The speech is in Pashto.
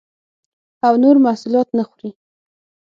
او نور محصولات نه خوري